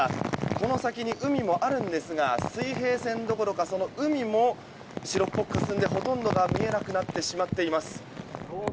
この先に海もあるんですが水平線どころか海も白っぽくかすんでほとんどが見えなくなってしまっています。